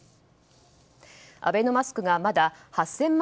アベノマスクがまだ８０００万